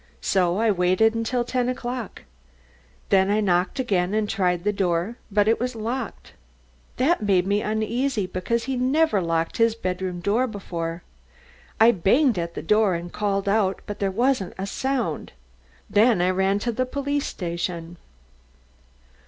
So I waited until ten o'clock. Then I knocked again and tried the door, but it was locked. That made me uneasy, because he never locked his bedroom door before. I banged at the door and called out, but there wasn't a sound. Then I ran to the police station."